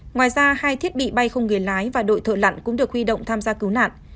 ngoài ra hai thiết bị bay không người lái và đội thợ lặn cũng được huy động tham gia cứu nạn